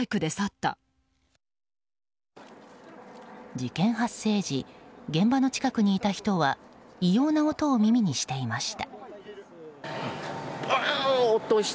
事件発生時現場の近くにいた人は異様な音を耳にしていました。